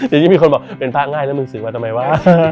อย่างนี้มีคนบอกเป็นพระง่ายแล้วมึงสึกว่าตำไมวะ